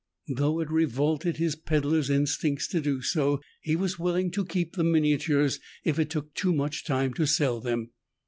Though it revolted his peddler's instincts to do so, he was willing to keep the miniatures if it took too much time to sell them.